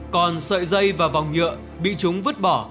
còn sợi dây và vòng nhựa bị chúng vứt bỏ